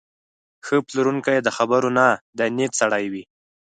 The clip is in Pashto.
ښه پلورونکی د خبرو نه، د نیت سړی وي.